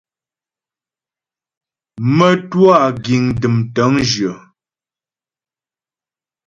Mə́twâ giŋ dəm tə̂ŋjyə.